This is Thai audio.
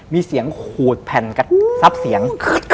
มีเสียงขูดแผ่นซับเสียง